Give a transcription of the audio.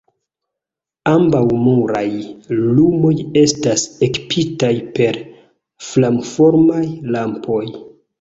Ambaŭ muraj lumoj estas ekipitaj per flamformaj lampoj.